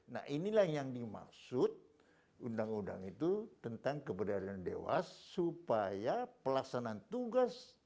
nah inilah yang dimaksud undang undang itu tentang keberadaan dewas supaya pelaksanaan tugas